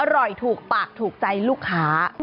อร่อยถูกปากถูกใจลูกค้า